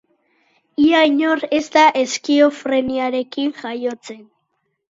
Ia inor ez da eskizofreniarekin jaiotzen.